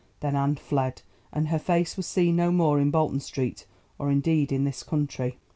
Then Anne fled, and her face was seen no more in Bolton Street or indeed in this country.